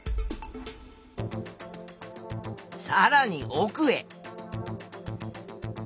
さらに奥へ。